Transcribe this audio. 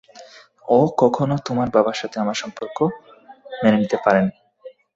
ও কখনো তোমার বাবার সাথে আমার সম্পর্কটা মেনে নিতে পারেনি।